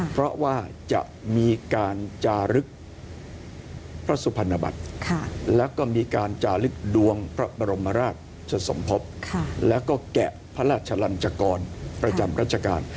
เพราะว่าจะมีการจารึกพระสุพรรณบัตรแล้วก็มีการจาลึกดวงพระบรมราชสมภพแล้วก็แกะพระราชลันจกรประจำรัชกาล